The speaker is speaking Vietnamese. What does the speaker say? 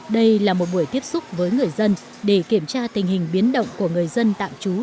đây là một buổi tiếp xúc với người dân để kiểm tra tình hình biến động của người dân tạm trú